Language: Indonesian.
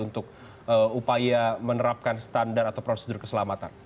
untuk upaya menerapkan standar atau prosedur keselamatan